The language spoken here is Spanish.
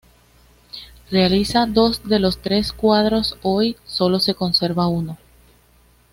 Realiza dos de los tres cuadros, hoy solo se conserva uno.